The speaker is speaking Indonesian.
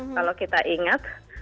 kalau kita ingat